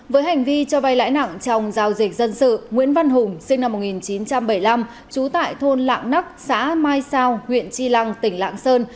với hành vi cho vay lãi nặng trong giao dịch dân sự nguyễn văn hùng sinh năm một nghìn chín trăm bảy mươi năm trú tại thôn lạng nắc xã mai sao huyện tri lăng tỉnh lạng sơn